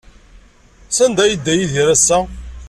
Sanda ay yedda Yidir ass-a?